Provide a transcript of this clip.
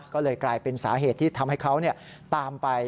ก็เลยกลายเป็นสาเหตุที่ทำให้เขาตามไป